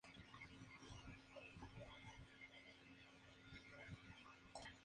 Tiene varios saltos y cascadas que constituyen atractivos turísticos.